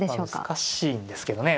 難しいんですけどね